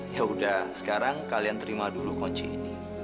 ya udah sekarang kalian terima dulu kunci ini